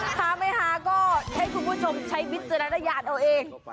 พ้าไม่พ้าก็ให้คุณผู้ชมใช้วิทยาติธาตุเอาเอง